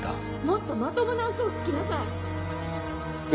もっとまともな嘘をつきなさい！